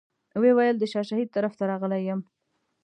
ویې ویل د شاه شهید طرف ته راغلی یم.